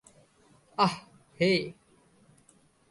আহ, হেই।